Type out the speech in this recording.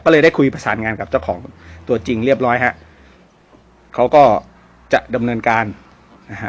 ก็เลยได้คุยประสานงานกับเจ้าของตัวจริงเรียบร้อยฮะเขาก็จะดำเนินการนะฮะ